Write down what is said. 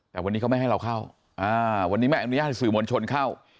แต่วันนี้เขาไม่ให้เราเข้าวันนี้ไม่อนุญาตให้สื่อมวลชนเข้า